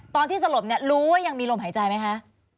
สลบเนี่ยรู้ว่ายังมีลมหายใจไหมคะ